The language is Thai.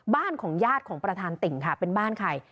บ้านของญาติของประธานติ่งค่ะเป็นบ้านใคร